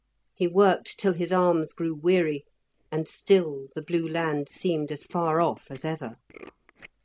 He worked till his arms grew weary, and still the blue land seemed as far off as ever.